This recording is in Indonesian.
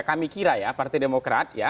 kami kira ya partai demokrat ya